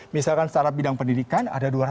misalkan secara bidang pendidikan ada dua ratus